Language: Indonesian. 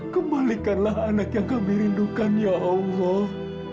kembalikanlah anak yang kami rindukan ya allah